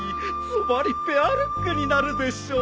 ズバリペアルックになるでしょう。